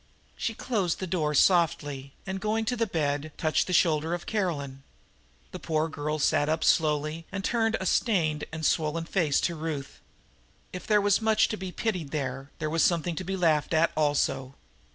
She closed the door softly and, going to the bed, touched the shoulder of Caroline. The poor girl sat up slowly and turned a stained and swollen face to Ruth. If there was much to be pitied there was something to be laughed at, also.